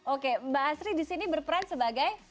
oke mbak asri di sini berperan sebagai